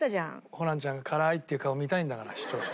ホランちゃんが「辛ーい！」って言う顔見たいんだから視聴者。